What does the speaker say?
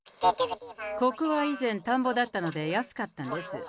ここは以前、田んぼだったので安かったんです。